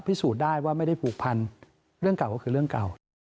พิสูจน์ได้ว่าไม่ได้ผูกพันเรื่องเก่าก็คือเรื่องเก่า